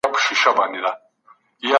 د پوهنځي په دوران کي مې ډېر کتابونه ولوستل.